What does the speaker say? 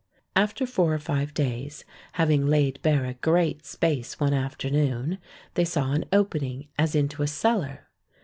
After four or five days, having laid bare a great space one afternoon, they saw an opening as into a cellar.